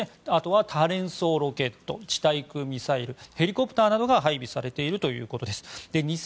あとは多連装ロケット地対空ミサイルヘリコプターなどが配備されているということです。